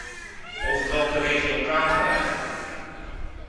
Over welke regio praten we eigenlijk?